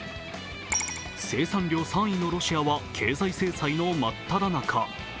生産量３位のロシアは経済制裁の真っただ中。